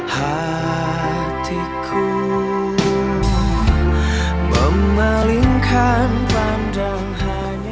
hatiku memalingkan pandang hanya